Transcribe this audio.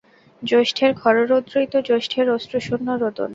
জ্যৈষ্ঠের খররৌদ্রই তো জ্যৈষ্ঠের অশ্রুশূন্য রোদন।